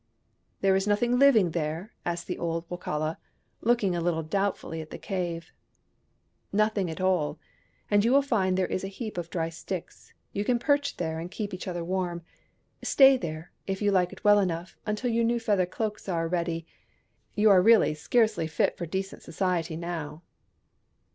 " There is nothing living there ?" asked the old Wokala, looking a little doubtfully at the cave. " Nothing at all. All you will find there is a heap of dry sticks ; you can perch there and keep each other warm. Stay there, if you like it well enough, until your new feather cloaks are '"eady — you are really scarcely fit for decent society now."